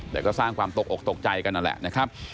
แต่ก็สร้างความตกอกตกใจกันนั่นแหละนะครับ